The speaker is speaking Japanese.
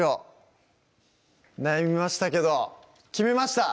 悩みましたけど決めました！